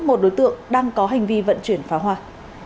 một đối tượng đang có hành vi vận chuyển pháo hoa